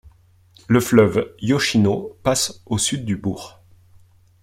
Le fleuve Yoshino passe au sud du bourg.